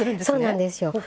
そうなんですよ。